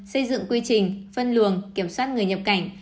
xây dựng quy trình phân luồng kiểm soát người nhập cảnh